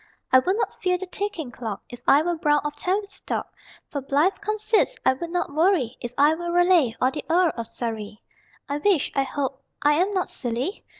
I would not fear the ticking clock If I were Browne of Tavistock. For blithe conceits I would not worry If I were Raleigh, or the Earl of Surrey. I wish (I hope I am not silly?)